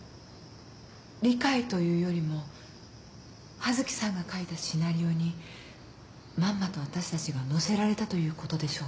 理解というよりも刃月さんが書いたシナリオにまんまと私たちが乗せられたということでしょうか？